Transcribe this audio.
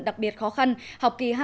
đặc biệt khó khăn học kỳ hai